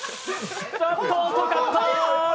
ちょっと遅かった！